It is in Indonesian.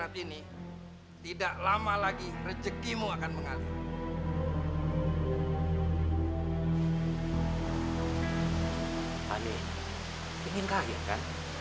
tani ingin kaget kan